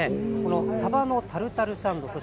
さばのタルタルサンド